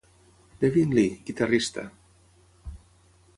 Devin Lee, guitarrista.